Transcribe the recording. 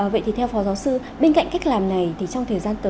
vậy thì theo phó giáo sư bên cạnh cách làm này thì trong thời gian tới